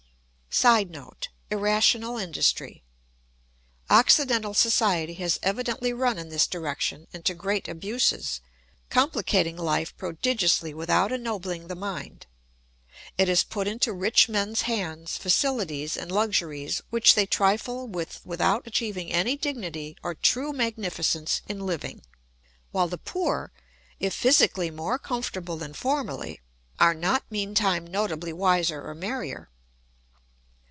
[Sidenote: Irrational industry.] Occidental society has evidently run in this direction into great abuses, complicating life prodigiously without ennobling the mind. It has put into rich men's hands facilities and luxuries which they trifle with without achieving any dignity or true magnificence in living, while the poor, if physically more comfortable than formerly, are not meantime notably wiser or merrier.